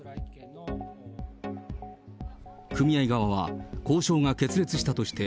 組合側は交渉が決裂したとして、